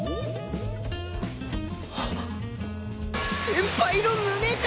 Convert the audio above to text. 先輩の胸が！！